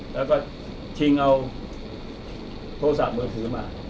แล้วก็ชิงเอาโทรศัพท์มือถือมา